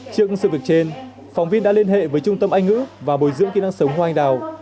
trước sự việc trên phóng viên đã liên hệ với trung tâm anh ngữ và bồi dưỡng kỹ năng sống hoa anh đào